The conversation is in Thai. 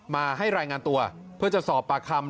มาให้รายงานตัวเพื่อจะสอบปากคำ